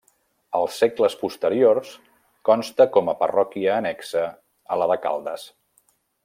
Els segles posteriors consta com a parròquia annexa a la de Caldes.